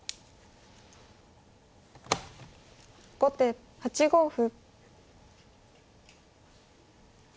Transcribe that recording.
後手８五歩。